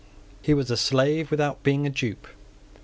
He was a slave without being a dupe.